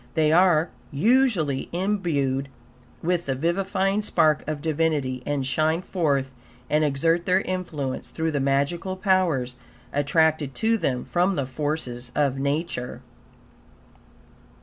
They are, usually, imbued with the vivifying spark of Divinity, and shine forth and exert their influence through the magical powers attracted to them from the forces of Nature.